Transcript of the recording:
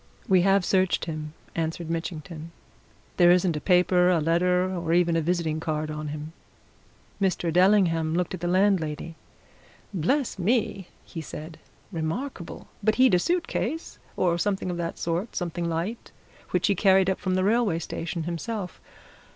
"We have searched him," answered Mitchington. "There isn't a paper, a letter, or even a visiting card on him." Mr. Dellingham looked at the landlady. "Bless me!" he said. "Remarkable! But he'd a suit case, or something of the sort something light which he carried up from the railway station himself.